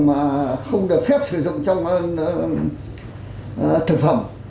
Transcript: mà không được phép sử dụng trong thực phẩm